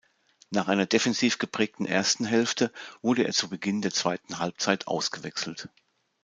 Nach einer defensiv geprägten ersten Hälfte wurde er zu Beginn der zweiten Halbzeit ausgewechselt.